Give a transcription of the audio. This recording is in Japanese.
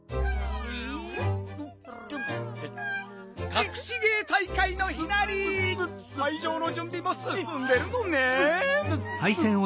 かくし芸大会の日なり！かいじょうのじゅんびもすすんでるのねん。